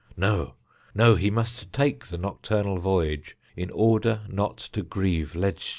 No, no! He must take the nocturnal voyage in order not to grieve Ledscha.